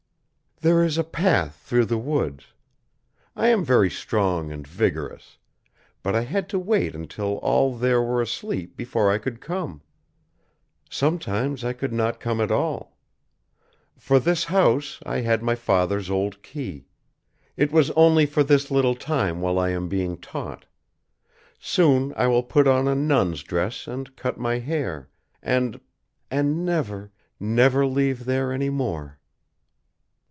"There is a path through the woods. I am very strong and vigorous. But I had to wait until all there were asleep before I could come. Sometimes I could not come at all. For this house, I had my father's old key. It was only for this little time while I am being taught. Soon I will put on a nun's dress and cut my hair, and and never never leave there any more."